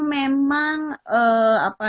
memang ee apa